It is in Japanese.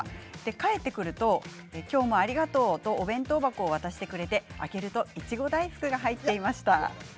帰ってくると今日もありがとうとお弁当箱を渡してくれて開けるといちご大福が入っていました。